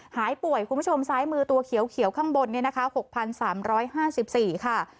หายป่วยคุณผู้ชมซ้ายมือตัวเขียวข้างบน๖๓๕๔ค่ะ